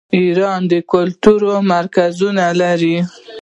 ایران کلتوري مرکزونه لري.